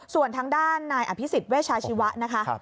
ส่วนทางด้านนายอภิษฎเวชาชีวะนะคะ